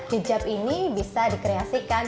hijab ini bisa dikreasikan